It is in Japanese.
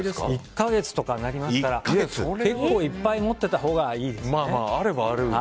１か月とかになりますからいっぱい持ってたほうがいいですね。